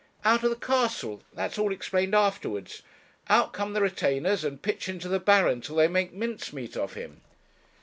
'Out of the castle: that's all explained afterwards. Out come the retainers, and pitch into the Baron till they make mincemeat of him.'